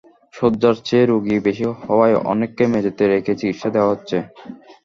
শয্যার চেয়ে রোগী বেশি হওয়ায় অনেককে মেঝেতে রেখে চিকিৎসা দেওয়া হচ্ছে।